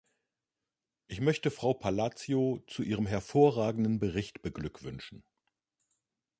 Ich möchte Frau Palacio zu ihrem hervorragenden Bericht beglückwünschen.